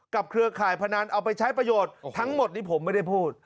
เครือข่ายพนันเอาไปใช้ประโยชน์ทั้งหมดนี้ผมไม่ได้พูด